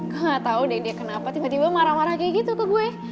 gue gak tau deh dia kenapa tiba tiba marah marah kayak gitu ke gue